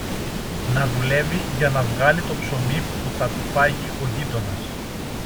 να δουλεύει για να βγάλει το ψωμί που θα του φάγει ο γείτονας.